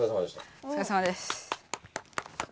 おつかれさまです。